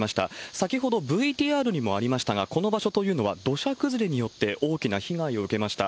先ほどＶＴＲにもありましたが、この場所というのは、土砂崩れによって大きな被害を受けました。